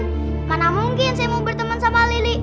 dimana mungkin saya mau bertemen sama lili